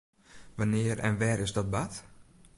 Wannear en wêr is dat bard?